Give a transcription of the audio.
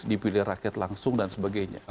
dipilih rakyat langsung dan sebagainya